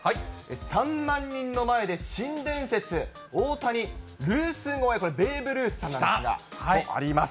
３万人の前で新伝説、大谷、ルース超え、これ、ベーブ・ルースさんなんですが、あります。